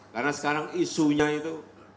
karena sekarang isunya itu